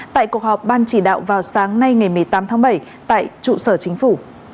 tại cuộc họp ban chỉ đạo vào sáng nay ngày một mươi tám tháng bảy tại trụ sở chính phủ